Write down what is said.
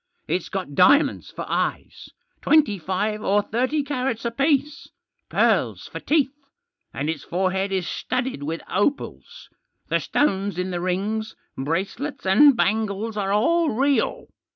It's got diamonds for eyes, twenty five or thirty carats apiece ; pearls for teeth, and its forehead is studded with opals. The stones in the rings, bracelets, and bangles are all real.